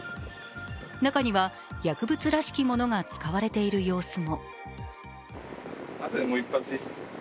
中には薬物らしきものが使われている様子も。